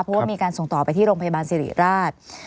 เพราะว่ามีการส่งต่อไปที่โรงพยาบาลสิริราช